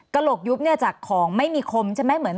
โหลกยุบเนี่ยจากของไม่มีคมใช่ไหมเหมือน